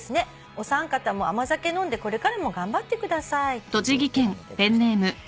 お三方も甘酒飲んでこれからも頑張ってください」というお手紙頂きました。